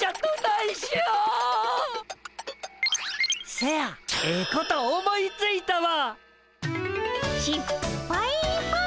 せやええこと思いついたわ！